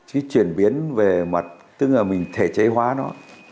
cái chuyển biến về mặt tức là mình thể chế hóa nó